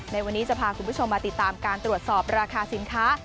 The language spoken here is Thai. ในวันนี้จะพาคุณผู้ชมมาติดตามการตรวจสอบราคาสินค้า